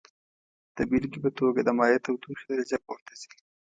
د بیلګې په توګه د مایع تودوخې درجه پورته ځي.